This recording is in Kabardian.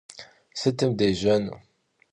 Sıtım dêjenu?